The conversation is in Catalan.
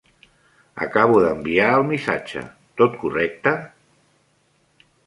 Acabo d'enviar el missatge, tot correcte?